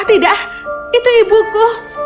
tidak itu ibuku